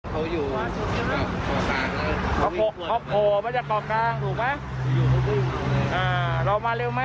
เลี่ยวออกไปว่าเรามาเร็วไหม